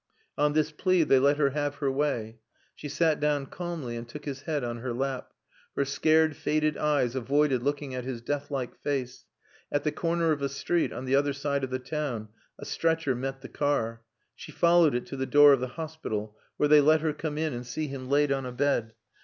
On this plea they let her have her way. She sat down calmly, and took his head on her lap; her scared faded eyes avoided looking at his deathlike face. At the corner of a street, on the other side of the town, a stretcher met the car. She followed it to the door of the hospital, where they let her come in and see him laid on a bed.